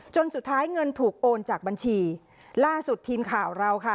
สุดท้ายเงินถูกโอนจากบัญชีล่าสุดทีมข่าวเราค่ะ